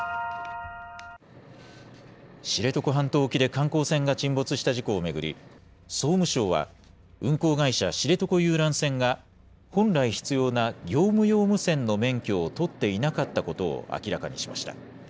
知床半島沖で観光船が沈没した事故を巡り、総務省は、運航会社、知床遊覧船が本来必要な業務用無線の免許を取っていなかったことを明らかにしました。